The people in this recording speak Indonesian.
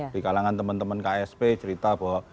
di kalangan teman teman ksp cerita bahwa